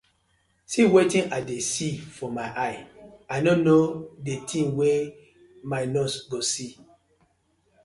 See wetin I dey see for my eye, I no no di tin wey my nose go see.